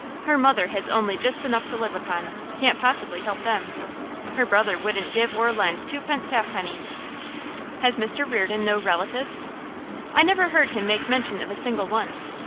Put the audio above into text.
Her mother has only just enough to live upon; can't possibly help them. Her brother wouldn't give or lend twopence halfpenny.' 'Has Mr Reardon no relatives!' 'I never heard him make mention of a single one.